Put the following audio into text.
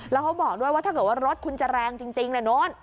แล้วเขาบอกด้วยว่าถ้าเกิดว่ารถคุณจะแรงจริงโน้น